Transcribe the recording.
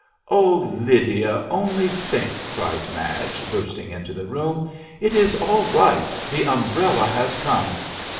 "Oh, Lydia! only think!" cried Madge, bursting into the room; "it is all right — the umbrella has come.